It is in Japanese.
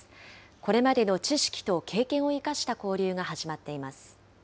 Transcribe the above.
これまでの知識と経験を生かした交流が始まっています。